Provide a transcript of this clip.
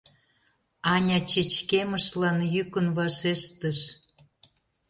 — Аня чечкемышлан йӱкын вашештыш.